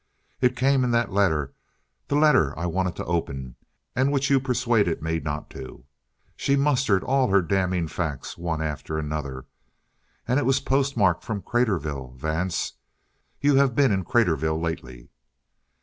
"It came in that letter. That letter I wanted to open, and which you persuaded me not to!" She mustered all her damning facts one after another. "And it was postmarked from Craterville. Vance, you have been in Craterville lately!"